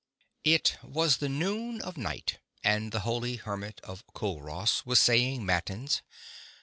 I T was the noon of night, and the holy hermit of Culross was saying Matins.